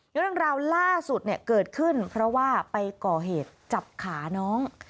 ยกดังราวล่าสุดเกิดขึ้นเพราะว่าไปก่อเหตุจับขาน้อง